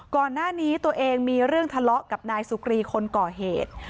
ก่อนหน้านี้ตัวเองมีเรื่องทะเลาะกับนายสุกรีคนก่อเหตุ